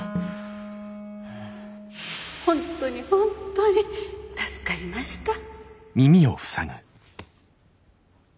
本当に本当に助かりました。